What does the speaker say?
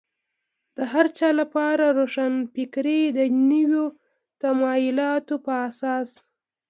د هر چا لپاره روښانفکري د نویو تمایلاتو په اساس.